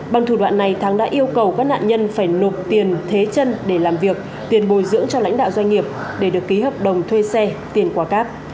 bằng thủ đoạn này thắng đã yêu cầu các nạn nhân phải nộp tiền thế chân để làm việc tiền bồi dưỡng cho lãnh đạo doanh nghiệp để được ký hợp đồng thuê xe tiền quả cáp